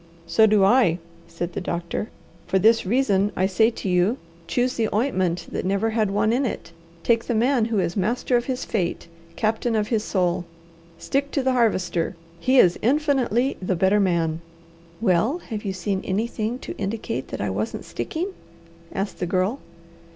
"So do I," said the doctor. "For this reason I say to you choose the ointment that never had one in it. Take the man who is 'master of his fate, captain of his soul.' Stick to the Harvester! He is infinitely the better man!" "Well have you seen anything to indicate that I wasn't sticking?" asked the Girl.